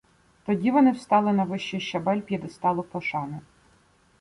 Тоді вони встали на вищий щабель п'єдесталу пошани.